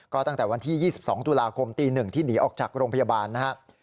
ก็ตั้งแต่วันที่๒๒ตุลาคมตี๑ที่หนีออกจากโรงพยาบาลนะครับ